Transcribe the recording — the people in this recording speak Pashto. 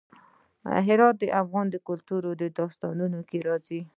هرات د افغان کلتور په داستانونو کې راځي.